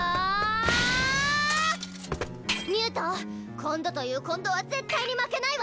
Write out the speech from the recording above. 今度という今度は絶対に負けないわ！